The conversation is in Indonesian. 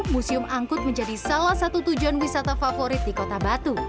museum angkut menjadi salah satu tujuan wisata favorit di kota batu